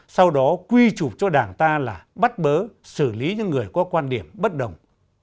sau đó quy trục cho đảng ta là bắt bớ xử lý những người có quan điểm bất đồng